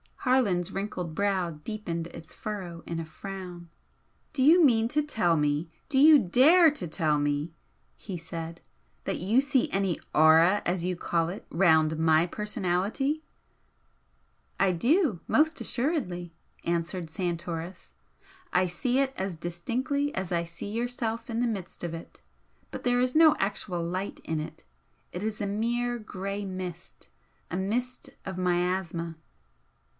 Harland's wrinkled brow deepened its furrows in a frown. "Do you mean to tell me, do you DARE to tell me" he said "that you see any 'aura,' as you call it, round my personality?" "I do, most assuredly," answered Santoris "I see it as distinctly as I see yourself in the midst of it. But there is no actual light in it, it is mere grey mist, a mist of miasma."